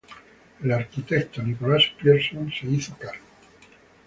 El arquitecto Nicolas Pierson se hizo cargo.